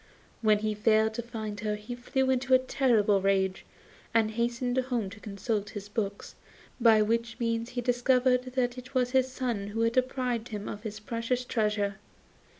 When he failed to find her he flew into a terrible rage, and hastened home to consult his books, by which means he discovered that it was his son who had deprived him of this precious treasure.